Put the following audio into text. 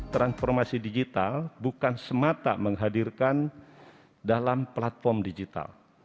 transformasi digital bukan semata menghadirkan dalam platform digital